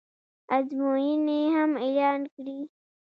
ازموینې هم اعلان کړې